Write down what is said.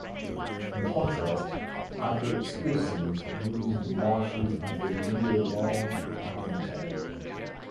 In contrast, other species use the marshes as a year-round habitat.